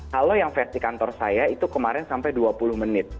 kalau yang versi kantor saya itu kemarin sampai dua puluh menit